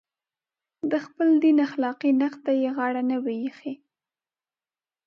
د خپل دین اخلاقي نقد ته یې غاړه نه وي ایښې.